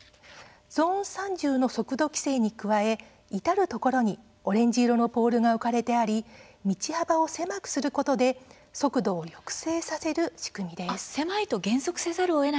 ゾーン３０の速度規制に加え至る所にオレンジ色のポールが置かれてあり道幅を狭くすることで速度を抑制させる仕組みです。